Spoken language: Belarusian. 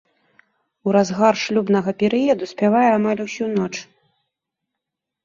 У разгар шлюбнага перыяду спявае амаль усю ноч.